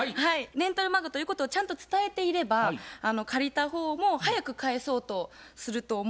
レンタル漫画ということをちゃんと伝えていれば借りた方も早く返そうとすると思うんですよね。